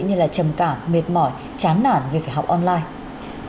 như là trầm cảm mệt mỏi chán nản vì phải học online